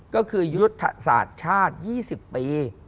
ก็คือยุทธศาสตร์ชาติ๒๐ปี